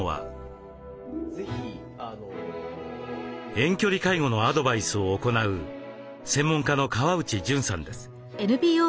遠距離介護のアドバイスを行う専門家の川内潤さんです。